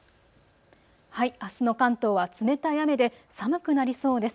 あすの関東は冷たい雨で寒くなりそうです。